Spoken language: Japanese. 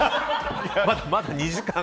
まだ２時間。